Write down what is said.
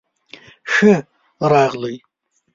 ښۀ راغلئ